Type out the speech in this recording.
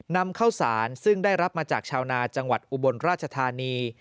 นำข้าวสารซึ่งได้รับมาจากชาวนาจังหวัดอุบลราชธานี